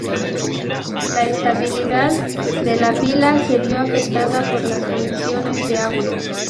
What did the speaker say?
La estabilidad de la pila se vio afectada por las condiciones de agua.